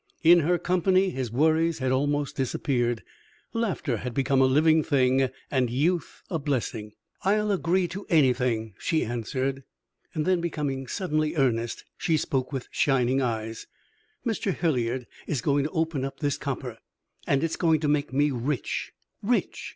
In her company his worries had almost disappeared, laughter had become a living thing, and youth a blessing. "I'll agree to anything," she answered; then, becoming suddenly earnest, she spoke with shining eyes: "Mr. Hilliard is going to open up this copper, and it is going to make me rich rich!